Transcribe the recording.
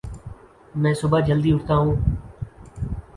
میں صبح جلدی اٹھتاہوں